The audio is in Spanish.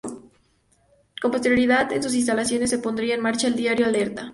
Con posterioridad en sus instalaciones se pondría en marcha el diario "Alerta".